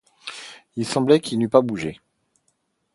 Il semblait qu’il n’eût pas bougé.